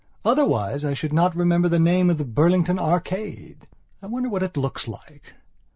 Otherwise I should not remember the name of the Burlington Arcade. I wonder what it looks like.